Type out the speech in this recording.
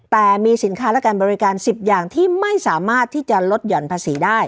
แต่มีสินค้าและการบริการ๑๐อย่างที่ไม่สามารถที่จะลดห่อนภาษีได้